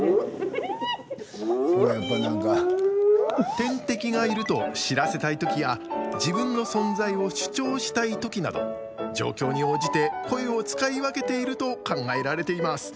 天敵がいると知らせたい時や自分の存在を主張したい時など状況に応じて声を使い分けていると考えられています。